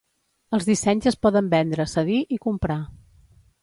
Els dissenys es poden vendre, cedir i comprar.